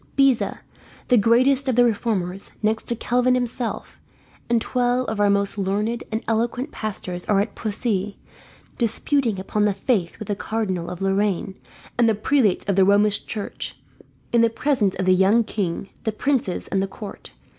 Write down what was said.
Beza, the greatest of the reformers next to Calvin himself, and twelve of our most learned and eloquent pastors are at Poissy, disputing upon the faith with the Cardinal of Lorraine and the prelates of the Romish church, in the presence of the young king, the princes, and the court.